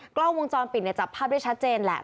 กล้องวงจรปิดเนี่ยจับภาพได้ชัดเจนแหละ